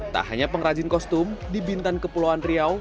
tak hanya pengrajin kostum di bintan kepulauan riau